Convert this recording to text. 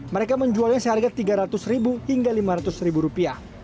mereka menjualnya seharga rp tiga ratus hingga rp lima ratus